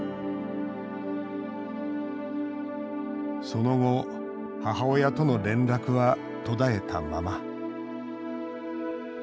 その後母親との連絡は途絶えたまま。